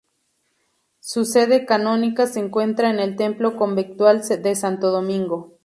Su sede canónica se encuentra en el Templo conventual de Santo Domingo.